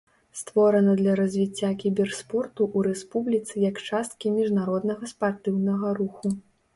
Створана для развіцця кіберспорту ў рэспубліцы як часткі міжнароднага спартыўнага руху.